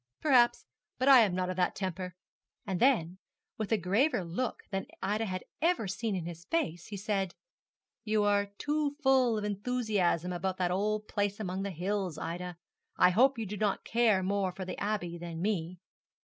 'Perhaps; but I am not of that temper.' And then, with a graver look than Ida had ever seen in his face, he said, 'You are full of enthusiasm about that old place among the hills, Ida. I hope you do not care more for the Abbey than for me.'